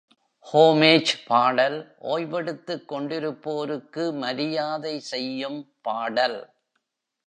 "Homage" பாடல் ஓய்வெடுத்துக் கொண்டிருப்போருக்கு மரியாதை செய்யும் பாடல்.